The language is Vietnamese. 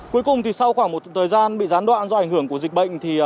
cuối cùng sau khoảng một thời gian bị gián đoạn do ảnh hưởng của dịch bệnh